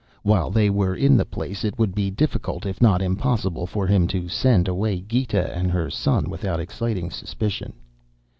While they were in the place it would be difficult, if not impossible, for him to send away Gita and her son without exciting suspicion.